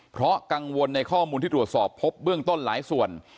เพราะกังวลในข้อมูลที่ตรวจสอบพบเบื้องต้นหลายส่วน